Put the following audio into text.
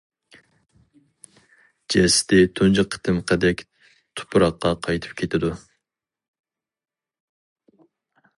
جەسىتى تۇنجى قېتىمقىدەك تۇپراققا قايتىپ كېتىدۇ.